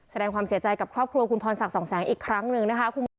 แสดงความเสียใจกับครอบครัวคุณพรศักดิ์สองแสงอีกครั้งหนึ่งนะคะคุณผู้ชม